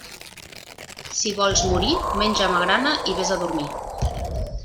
Si vols morir, menja magrana i vés a dormir.